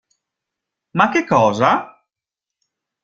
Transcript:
Ma che cosa?